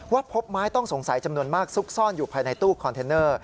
พบไม้ต้องสงสัยจำนวนมากซุกซ่อนอยู่ภายในตู้คอนเทนเนอร์